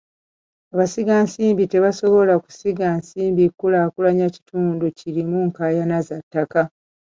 Abasigansimbi tebasobola kusiga nsimbi kulaakulanya kitundu kirimu nkaayana za ttaka.